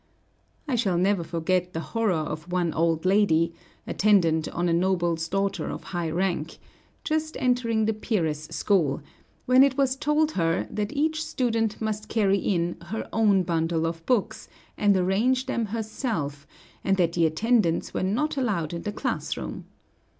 I shall never forget the horror of one old lady, attendant on a noble's daughter of high rank, just entering the peeress' school, when it was told her that each student must carry in her own bundle of books and arrange them herself, and that the attendants were not allowed in the classroom.